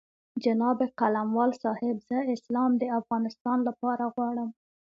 جناب قلموال صاحب زه اسلام د افغانستان لپاره غواړم.